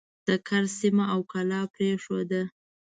د کرز سیمه او کلا پرېښوده.